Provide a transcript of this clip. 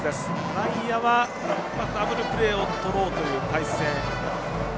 内野はダブルプレーをとろうという態勢。